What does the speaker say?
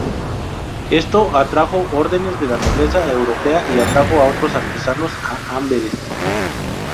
Esto atrajo órdenes de la nobleza europea y atrajo a otros artesanos a Amberes.